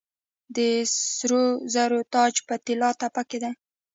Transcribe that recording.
د سرو زرو تاج په طلا تپه کې و